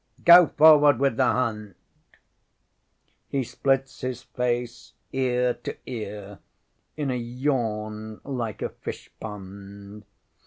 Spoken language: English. Go forward with the hunt! ŌĆØ ŌĆśHe splits his face ear to ear in a yawn like a fish pond.